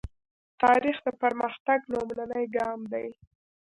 تاریخ د پرمختګ لومړنی ګام دی.